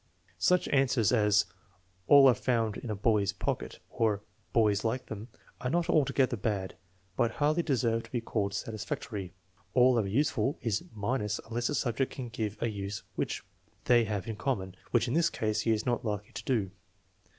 Such answers as "All are found in a boy's pocket," or "Boys like them," are not altogether bad, but hardly deserve to be called satisfactory. "All are useful" is minus unless the subject can give a use which they have in common, which in this case he is not likely to do.